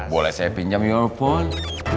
boleh saya pinjam your phone